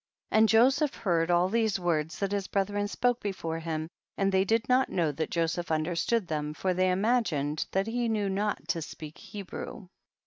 34. And Joseph heard all these words tliat his brethren spoke before him, and they did not know that Jo seph understood them, for they ima gined that he knew not to speak He brew.